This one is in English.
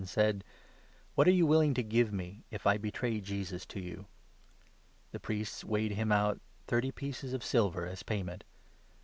an(j said " What are you willing to give me, if I betray Jesus to you ?" The Priests ' weighed him out thirty pieces of silver ' as payment.